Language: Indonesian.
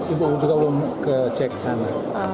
ibu juga belum kecek sana